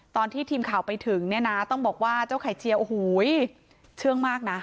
ตอนที่ทีมข่าวไปถึงเนี่ยนะต้องบอกว่าเจ้าไข่เจียโอ้โหเชื่องมากนะ